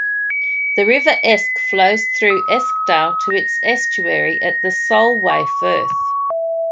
The River Esk flows through Eskdale to its estuary at the Solway Firth.